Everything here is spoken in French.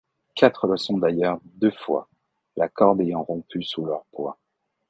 Quatre le sont d'ailleurs deux fois, la corde ayant rompu sous leur poids.